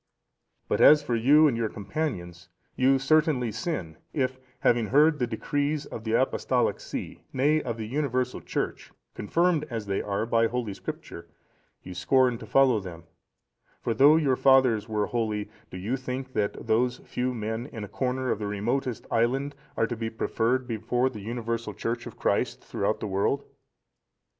"But as for you and your companions, you certainly sin, if, having heard the decrees of the Apostolic see, nay, of the universal Church, confirmed, as they are, by Holy Scripture, you scorn to follow them; for, though your fathers were holy, do you think that those few men, in a corner of the remotest island, are to be preferred before the universal Church of Christ throughout the world?